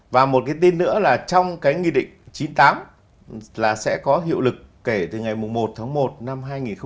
và một cái tin nữa là trong cái nghị định chín mươi tám là sẽ có hiệu lực kể từ ngày một tháng một năm hai nghìn hai mươi